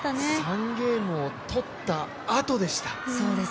３ゲームをとったあとでした。